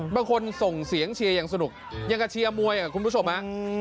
บางคนส่งเสียงเชียร์อย่างสนุกอย่างเชียร์มวยอย่างคุณผู้ชมนะ